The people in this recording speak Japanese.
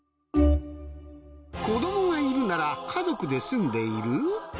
子供がいるなら家族ですんでいる？